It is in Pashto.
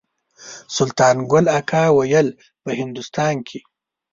سلطان ګل اکا ویل په هندوستان کې.